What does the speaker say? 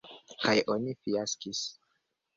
Kaj oni fiaskis.